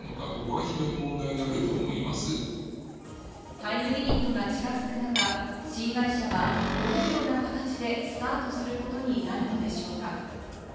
タイムリミットが近づく中、新会社はどのような形でスタートすることになるのでしょうか？